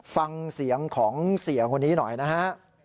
ฟังเสียงของเสียคนนี้หน่อยนะฮะ